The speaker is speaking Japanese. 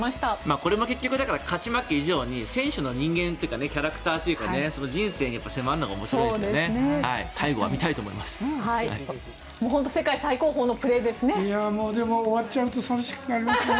これも結局勝ち負け以上に選手の人間というかキャラクターというか人生に迫るのが面白いですよね。